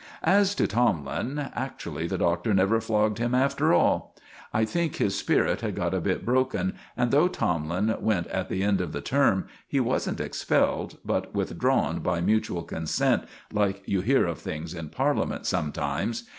As to Tomlin, actually the Doctor never flogged him after all! I think his spirit had got a bit broken, and though Tomlin went at the end of the term, he wasn't expelled, but withdrawn by mutual consent, like you hear of things in Parliament sometimes.